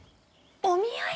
お見合い！？